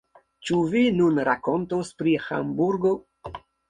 Ĉu vi nun rakontos pri Hamburgo?